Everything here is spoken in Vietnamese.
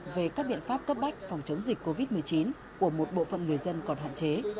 về các biện pháp cấp bách phòng chống dịch covid một mươi chín của một bộ phận người dân còn hạn chế